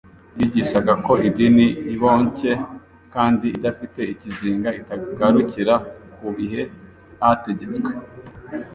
Yigishaga ko idini iboncye kandi idafite ikizinga itagarukira ku bihe byategetswe